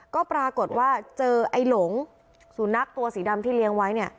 ก็ปรากฏว่าเจอไอ้หลงสุนัขตัวสีดำที่เลี้ยงไว้เนี่ย